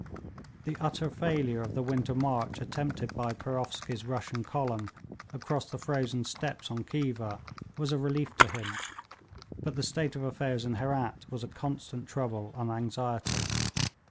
The utter failure of the winter march attempted by Peroffski's Russian column across the frozen steppes on Khiva was a relief to him; but the state of affairs in Herat was a constant trouble and anxiety.